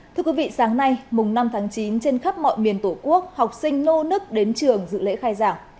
thưa quý vị sáng nay mùng năm tháng chín trên khắp mọi miền tổ quốc học sinh nô nức đến trường dự lễ khai giảng